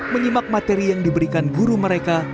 menyimak materi yang diberikan guru mereka